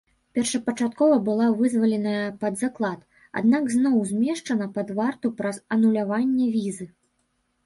Першапачаткова была вызваленая пад заклад, аднак зноў змешчана пад варту праз ануляванне візы.